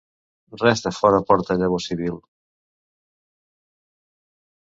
Res de fora porta llavor civil.